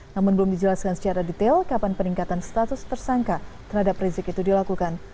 namun belum dijelaskan secara detail kapan peningkatan status tersangka terhadap rizik itu dilakukan